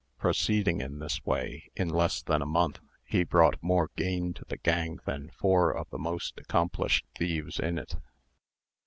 Proceeding in this way, in less than a month, he brought more gain to the gang than four of the most accomplished thieves in it.